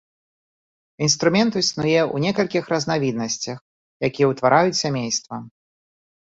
Інструмент існуе ў некалькіх разнавіднасцях, якія ўтвараюць сямейства.